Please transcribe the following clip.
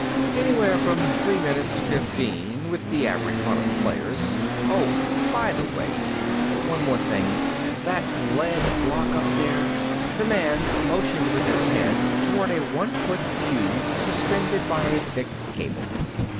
"Anywhere from three minutes to fifteen, with the average run of players. Oh, by the way, one more thing. That lead block up there " The man motioned with his head toward a one foot cube suspended by a thick cable.